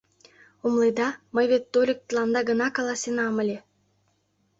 — Умыледа, мый вет тольык тыланда гына каласенам ыле...